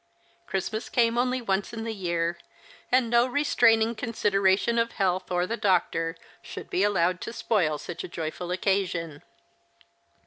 Christmas came only once in the year ; and no restraining consideration of health or the doctor should be allowed to spoil such a joyful season.